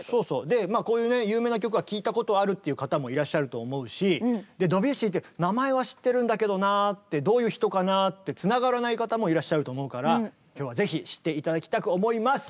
こういうね有名な曲は聴いたことあるっていう方もいらっしゃると思うしドビュッシーって名前は知ってるんだけどなあってどういう人かなあってつながらない方もいらっしゃると思うから今日はぜひ知って頂きたく思います！